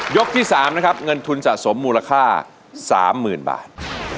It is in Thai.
ที่๓นะครับเงินทุนสะสมมูลค่า๓๐๐๐บาท